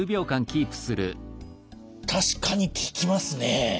確かに効きますね。